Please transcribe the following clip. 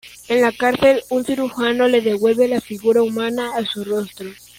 En la cárcel un cirujano le devuelve la figura humana a su rostro.